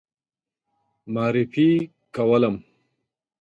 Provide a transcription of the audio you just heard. معرفي کولم.